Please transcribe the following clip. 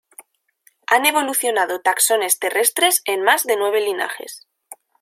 Han evolucionado taxones terrestres en más de nueve linajes.